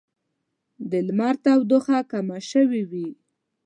د لمر تودوخه کمه شوې وي